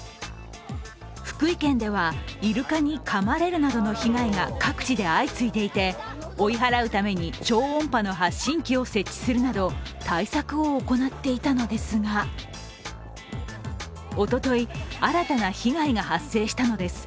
福井県では、イルカにかまれるなどの被害が各地で相次いでいて追い払うために超音波の発信器を設置するなど対策を行っていたのですが、おととい、新たな被害が発生したのです。